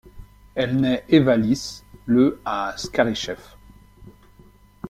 Elle naît Ewa Lis le à Skaryszew.